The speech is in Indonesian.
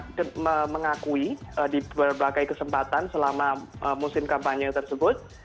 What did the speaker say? dan juga guillermo sendiri pernah mengakui di berbagai kesempatan selama musim kampanye tersebut